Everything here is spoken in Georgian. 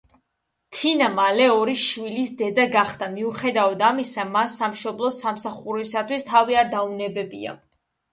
თინა მალე ორი შვილის დედა გახდა, მიუხედავად ამისა, მას სამშობლოს სამსახურისთვის თავი არ დაუნებებია.